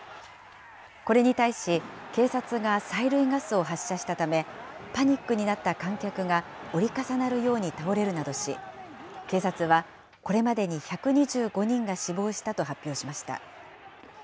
これに対し警察が催涙ガスを発射したため、パニックになった観客が折り重なるように倒れるなどし、警察は、これまでに１２５人が死亡したと発表しました。